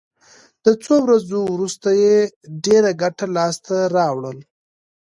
د څو ورځو وروسته یې ډېره ګټه لاس ته راوړه.